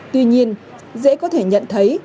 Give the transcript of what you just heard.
tuy nhiên dễ có thể nhận thấy